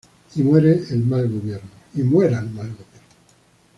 Y muera el mal gobierno...".